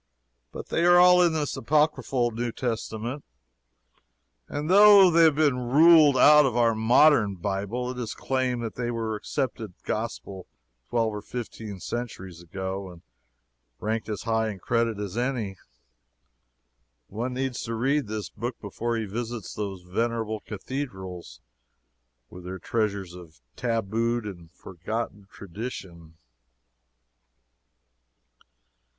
But they are all in this Apocryphal New Testament, and though they have been ruled out of our modern Bible, it is claimed that they were accepted gospel twelve or fifteen centuries ago, and ranked as high in credit as any. One needs to read this book before he visits those venerable cathedrals, with their treasures of tabooed and forgotten tradition.